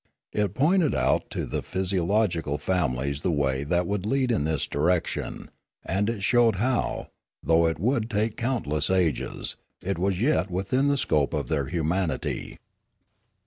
It pointed out to the physiological families the way that would lead in this direction; and it showed how, though it would take countless ages, it was yet within the scope of their humanity.